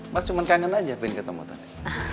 mas cuman kangen aja pengen ketemu tadi